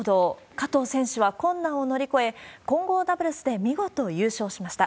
加藤選手は困難を乗り越え、混合ダブルスで見事優勝しました。